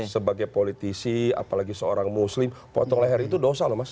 sebagai politisi apalagi seorang muslim potong leher itu dosa loh mas